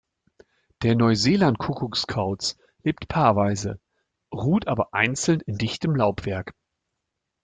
Der Neuseeland-Kuckuckskauz lebt paarweise, ruht aber einzeln in dichtem Laubwerk.